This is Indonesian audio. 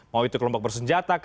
mau itu kelompok bersenjata